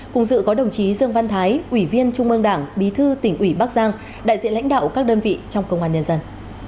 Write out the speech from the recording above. cùng dự có đồng chí dương văn thái ủy viên trung mương đảng bí thư tỉnh ủy bắc giang đại diện lãnh đạo các đơn vị trong công an nhân dân